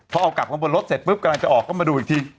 พอเอากลับมาบนรถเสร็จปุ๊บกำลังจะออกเข้ามาดูอีกที